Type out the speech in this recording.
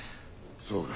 そうか。